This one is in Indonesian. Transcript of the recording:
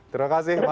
terima kasih mas